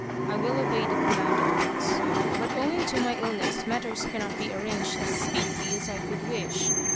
I will obey the command at once. But owing to my illness matters cannot be arranged as speedily as I could wish.